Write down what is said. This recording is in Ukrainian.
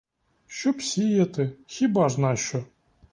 Щоб сіяти, хіба ж нащо?